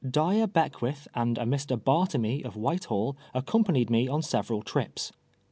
Djer Beckwitli and a Jlr. Bartcmy, of AVhiteliall, accompa nied me on several trips.